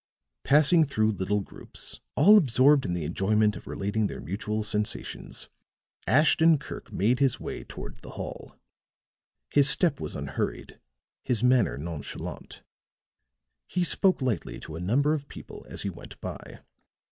Passing through little groups, all absorbed in the enjoyment of relating their mutual sensations, Ashton Kirk made his way toward the hall. His step was unhurried, his manner nonchalant; he spoke lightly to a number of people as he went by.